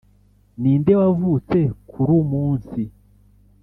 ninde wavutse kurumunsi